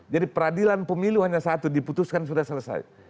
jadi peradilan pemilu hanya satu diputuskan sudah selesai